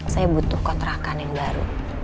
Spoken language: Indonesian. saya butuh kontrakan yang baru